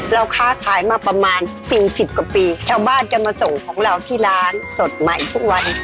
ค้าขายมาประมาณสี่สิบกว่าปีชาวบ้านจะมาส่งของเราที่ร้านสดใหม่ทุกวัน